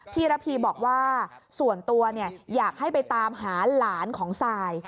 ระพีบอกว่าส่วนตัวอยากให้ไปตามหาหลานของซาย